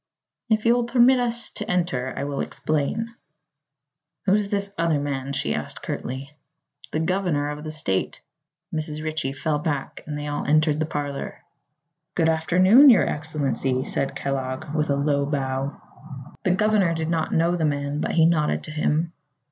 "If you will permit us to enter, I will explain." "Who's this other man?" she asked curtly. "The governor of the state." Mrs. Ritchie fell back and they all entered the parlor. "Good afternoon, your Excellency," said Kellogg, with a low bow. The governor did not know the man but he nodded to him.